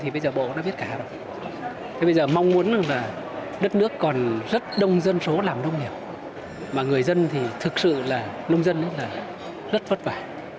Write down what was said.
vì đất nước còn rất đông dân số làm nông nghiệp mà người dân thì thực sự là nông dân rất vất vả